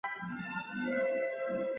无机酸还可以分成含氧酸和无氧酸。